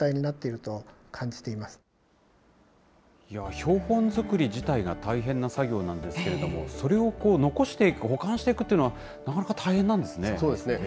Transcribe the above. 標本作り自体が大変な作業なんですけれども、それを残していく、保管していくというのはなかなか大変なんですね。